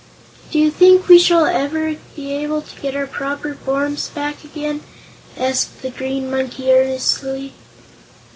"Do you think we shall ever be able to get our proper forms back again?" asked the Green Monkey earnestly.